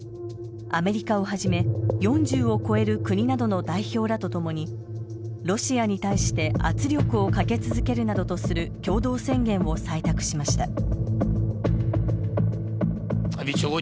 アメリカをはじめ４０を超える国などの代表らとともにロシアに対して圧力をかけ続けるなどとする共同宣言を採択しました。